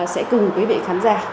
sẽ cùng quý vị khán giả